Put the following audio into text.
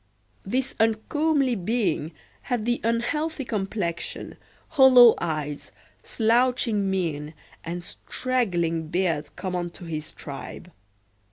This uncomely being had the unhealthy complexion, hollow eyes, slouching mien, and straggling beard common to his tribe.